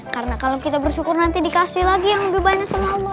karena kalau kita bersyukur nanti dikasih lagi yang udah banyak sama allah